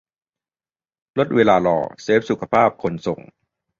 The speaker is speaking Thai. - ลดเวลารอ เซฟสุขภาพคนส่ง